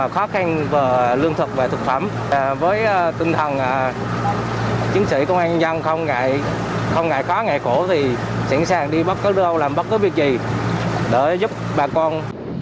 không ngại khó ngại khổ thì sẵn sàng đi bất cứ đâu làm bất cứ việc gì để giúp bà con